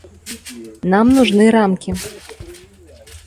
Нам нужны рамки.